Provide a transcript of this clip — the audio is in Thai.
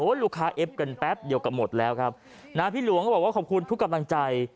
ลูกค้าเอฟกันแป๊บเดียวก็หมดแล้วครับนะพี่หลวงก็บอกว่าขอบคุณทุกกำลังใจ